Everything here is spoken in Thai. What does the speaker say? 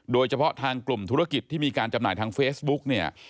โดยเฉพาะทางกลุ่มธุรกิจที่มีการจำหน่ายทางเฟซบุ๊กเนี่ย